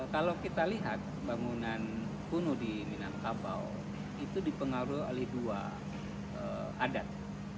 kalau kita lihat pembangunan kuno di minangkabau itu dipengaruhi oleh dua adat